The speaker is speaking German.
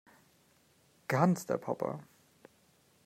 Ganz der Papa!